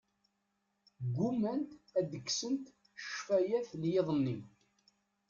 Ggumant ad kksent ccfayat n yiḍ-nni.